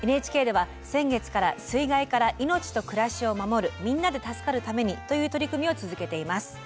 ＮＨＫでは先月から「水害から命と暮らしを守るみんなで助かるために」という取り組みを続けています。